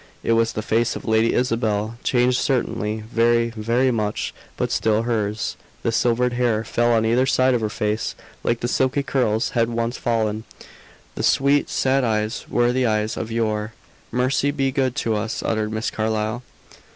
It was the face of Lady Isabel; changed, certainly, very, very much; but still hers. The silvered hair fell on either side of her face, like the silky curls had once fallen; the sweet, sad eyes were the eyes of yore. "Mercy be good to us!" uttered Miss Carlyle.